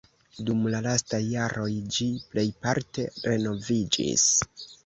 Dum la lastaj jaroj ĝi plejparte renoviĝis.